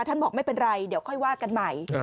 บอกไม่เป็นไรเดี๋ยวค่อยว่ากันใหม่